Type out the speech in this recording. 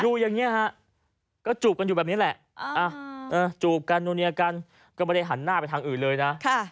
อยู่อย่างนี้ฮะก็จูบกันอยู่แบบนี้แหละจูบกันนัวเนียกันก็ไม่ได้หันหน้าไปทางอื่นเลยนะ